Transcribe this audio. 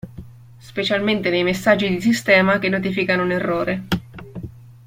Specialmente nei messaggi di sistema che notificano un errore.